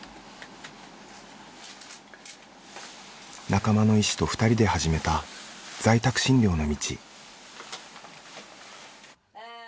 仲間の医師と２人で始めた在宅診療の道。